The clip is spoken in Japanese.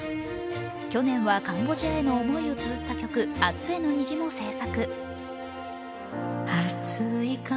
去年はカンボジアへの思いをつづった曲「明日への虹」も制作。